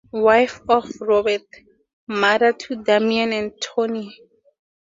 Wife of Robert, mother to Damien and Teonie.